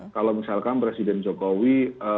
kalau misalkan presiden jokowi